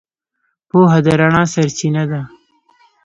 پوهه د رڼا سرچینه ده.